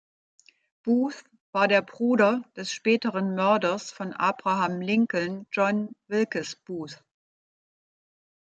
Booth war der Bruder des späteren Mörders von Abraham Lincoln, John Wilkes Booth.